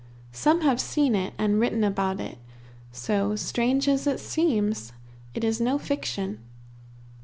Some have seen it and written about it, so, strange as it seems, it is no fiction.